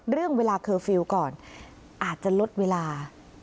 เรื่องเวลาเคอร์ฟิลล์ก่อนอาจจะลดเวลา